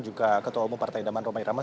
juga ketua umum partai daman romai ramas